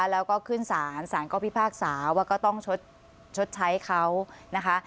แล้วก็ขึ้นสารสารก็พิพากษาว่าก็ต้องชดใช้เขานะคะ